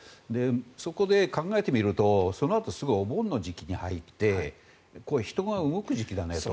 そこで考えてみるとそのあとすぐお盆の時期に入って人が動く時期だと。